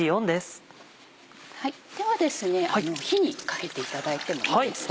では火にかけていただいてもいいですか？